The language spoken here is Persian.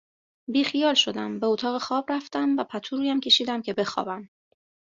بیخیال شدم به اتاق خواب رفتم و پتو رویم کشیدم که بخوابم